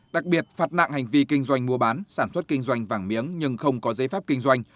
đặc biệt phạt nặng hành vi kinh doanh mua bán sản xuất kinh doanh vàng miếng nhưng không có giấy phép kinh doanh